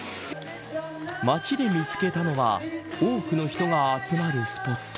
街で見つけたのは多くの人が集まるスポット。